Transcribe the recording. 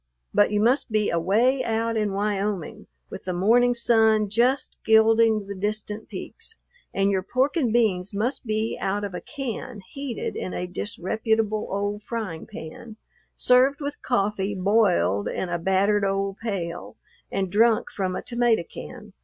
But you must be away out in Wyoming, with the morning sun just gilding the distant peaks, and your pork and beans must be out of a can, heated in a disreputable old frying pan, served with coffee boiled in a battered old pail and drunk from a tomato can.